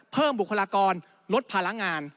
เพิ่มบุคลากรลดพารักงาน